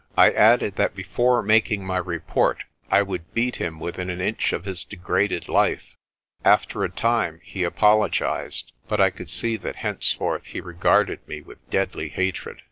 I added that before mak ing my report I would beat him within an inch of his de graded life. After a time he apologised, but I could see that henceforth he regarded me with deadly hatred.